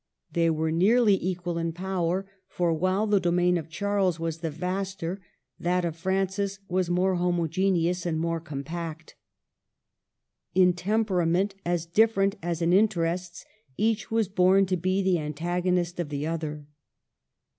They were nearly equal in power ; for while the domain of Charles was the vaster, that of Francis was more homogeneous and more compact. In temperament as different as in interests, each was born to be the antagonist of the other.